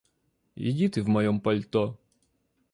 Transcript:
Иди ты в моём пальто.